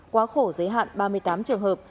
quá khổ giới hạn ba mươi tám trường hợp